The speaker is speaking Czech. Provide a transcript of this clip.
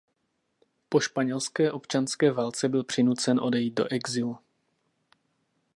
Po španělské občanské válce byl přinucen odejít do exilu.